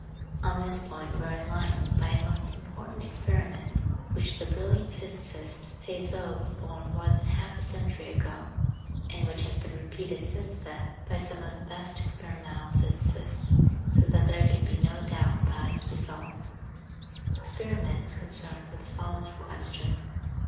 On this point we axe enlightened by a most important experiment which the brilliant physicist Fizeau performed more than half a century ago, and which has been repeated since then by some of the best experimental physicists, so that there can be no doubt about its result. The experiment is concerned with the following question.